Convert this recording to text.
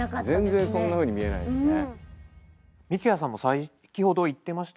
全然そんなふうに見えないですね。